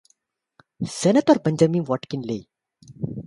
Senator Benjamin Watkins Leigh.